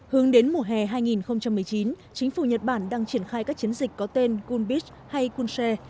hướng đến mùa hè hai nghìn một mươi chín chính phủ nhật bản đang triển khai các chiến dịch có tên gun beach hay gunshare